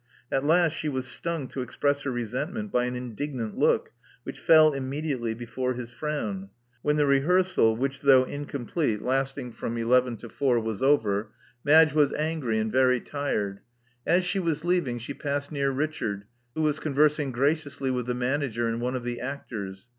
At last she was stung to express her resentment by an indignant look, which fell immediately before his frown. When the rehearsal, which, though incomplete, lasted from 154 * Love Among the Artists eleven to four, was over, Madge was angry and very tired. As she was leaving, she passed near Richard, who was conversing graciously with the manager and one of the actors.